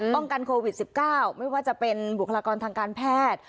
ป้องกันโควิด๑๙ไม่ว่าจะเป็นบุคลากรทางการแพทย์